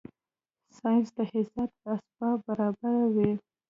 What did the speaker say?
ساینس د عزت اسباب برابره وي